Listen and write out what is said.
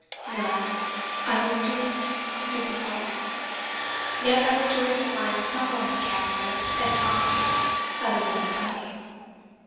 No; I was doomed to disappointment. Yet I rejoiced to find some one to camp with and talk to other than the pony.